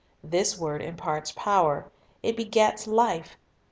This word imparts power; it begets life.